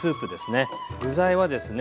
具材はですね